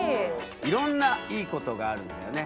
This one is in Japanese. いろんないいことがあるんだよね。